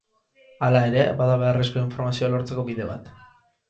Hala ere, bada beharrezko informazioa lortzeko bide bat.